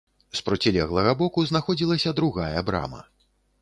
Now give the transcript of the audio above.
З процілеглага боку знаходзілася другая брама.